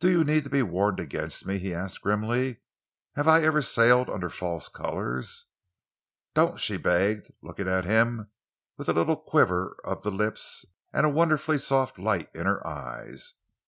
"Do you need to be warned against me?" he asked grimly. "Have I ever sailed under false colours?" "Don't," she begged, looking at him with a little quiver of the lips and a wonderfully soft light in her eyes.